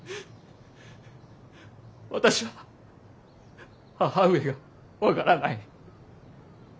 私は母上が分からない。